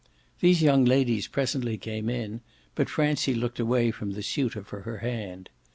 These young ladies presently came in, but Francie looked away from the suitor for her hand.